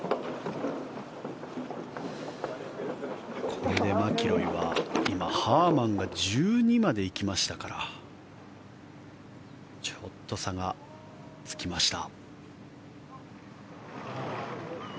これでマキロイは今、ハーマンが１２まで行きましたからちょっと差がつきました。